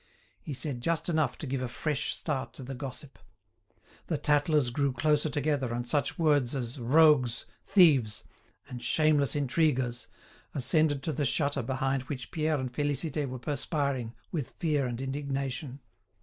He said just enough to give a fresh start to the gossip. The tattlers drew closer together and such words as "rogues," "thieves," and "shameless intriguers," ascended to the shutter behind which Pierre and Félicité were perspiring with fear and indignation.